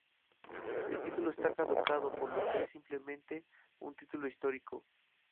El título está caducado, por lo que es simplemente un Título histórico.